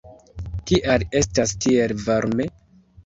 Kial estas tiel varme?